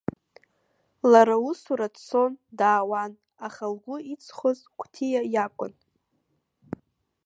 Лара усура дцон, даауан, аха лгәы иҵхоз Қәҭиа иакәын.